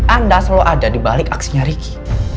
anda selalu ada dibalik aksinya ricky